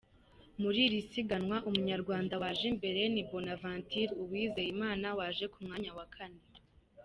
Muri iri siganwa, Umunyarwanda waje imbere ni Bonaventure Uwizeyimana waje ku mwanya wa kane.